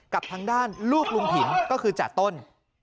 กับทางด้านลูกลุงผินก็คือจ่าต้น